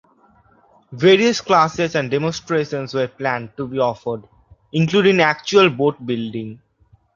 Various classes and demonstrations were planned to be offered, including actual boat building.